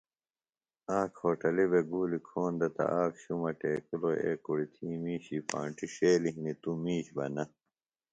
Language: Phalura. آک ہوٹلیۡ بےۡ گُولیۡ کھون دےۡ تہ آک شُمہ ٹیکِلوۡ اے کُڑیۡ تھی مِیشی پانٹیۡ ݜیلیۡ ہنیۡ توۡ میش بہ نہ